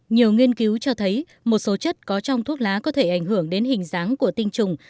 nhiều nghiên cứu cho thấy một số chất có trong thuốc lá có thể ảnh hưởng đến hình dáng của tinh trùng